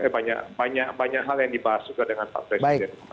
tapi banyak hal yang dibahas juga dengan pak presiden